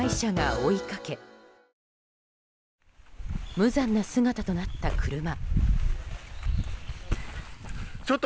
無残な姿となった車。